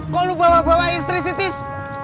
kok lu bawa bawa istri tis